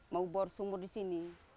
mau bor sumur di sini